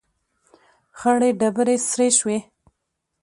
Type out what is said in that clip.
، خړې ډبرې سرې شوې.